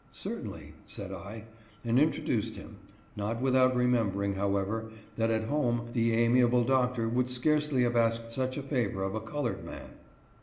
" Certainly," said I, and intro duced him ; not without remembering, however, that at home the amiable Doctor would scarcely have asked such a favor of a colored man.